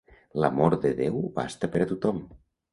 L'amor de Déu basta per a tothom.